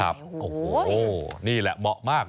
โอ้โหนี่แหละเหมาะมาก